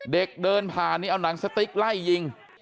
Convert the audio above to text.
เดินผ่านนี่เอาหนังสติ๊กไล่ยิง